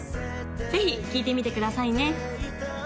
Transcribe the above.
ぜひ聴いてみてくださいね